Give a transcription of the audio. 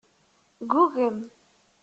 Ggugem.